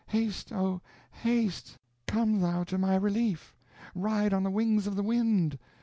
haste, oh! haste, come thou to my relief. Ride on the wings of the wind!